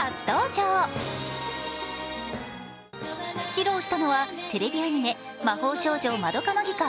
披露したのは、テレビアニメ「魔法少女まどか☆マギカ」